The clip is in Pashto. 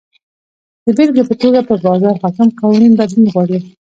د بېلګې په توګه پر بازار حاکم قوانین بدلون غواړي.